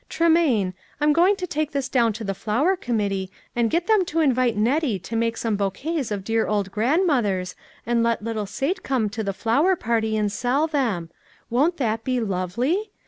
Tremayne, I'm going to take this down to the flower committee, and get them to invite Net tie to make some bouquets of dear old grand mothers, and let little Sate come to the flower party and sell them. Won't that be lovely?